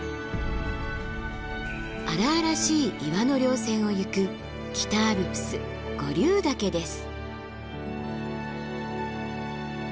荒々しい岩の稜線をゆく北アルプス五竜岳です。